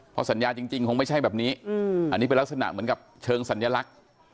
เพราะสัญญาจริงคงไม่ใช่แบบนี้อันนี้เป็นลักษณะเหมือนกับเชิงสัญลักษณ์